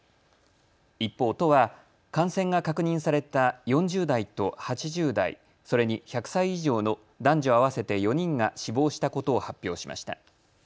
一方、都は感染が確認された４０代と８０代、それに１００歳以上の男女合わせて４人が死亡したことを発表しました。